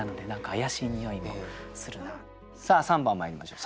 さあ３番まいりましょう。